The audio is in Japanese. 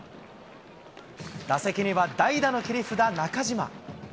打席には代打の切り札、中島。